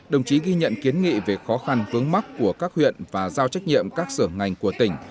đồng chí ghi nhận kiến nghị về khó khăn vướng mắt của các huyện và giao trách nhiệm các sở ngành của tỉnh